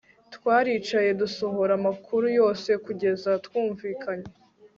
twaricaye dusohora amakuru yose kugeza twumvikanye